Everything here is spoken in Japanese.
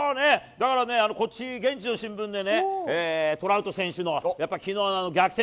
だからね、こっち、現地の新聞でね、トラウト選手の、やっぱきのうの逆転